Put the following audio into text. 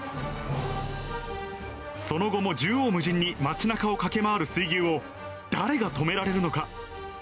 その後も縦横無尽に街なかを駆け回る水牛を誰が止められるのか。